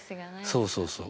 そうそうそう。